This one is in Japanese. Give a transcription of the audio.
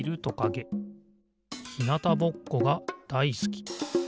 ひなたぼっこがだいすき。